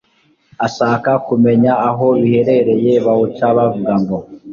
ashaka kumenya aho biherereye bawuca bavuga ngo